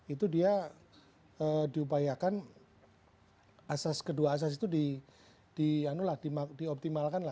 itu dia diupayakan asas kedua asas itu dioptimalkan